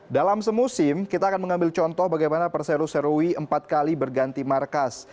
dalam semusim kita akan mengambil contoh bagaimana persero serui empat kali berganti markas